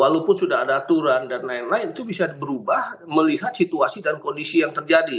walaupun sudah ada aturan dan lain lain itu bisa berubah melihat situasi dan kondisi yang terjadi